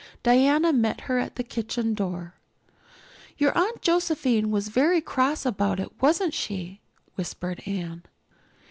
Diana met her at the kitchen door. "Your Aunt Josephine was very cross about it, wasn't she?" whispered Anne.